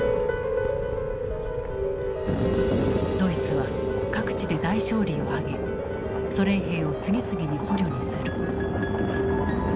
ドイツは各地で大勝利を挙げソ連兵を次々に捕虜にする。